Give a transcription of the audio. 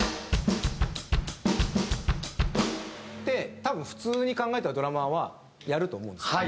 って多分普通に考えてるドラマーはやると思うんですよ。